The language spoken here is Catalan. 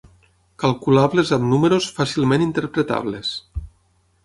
Calculables amb números fàcilment interpretables.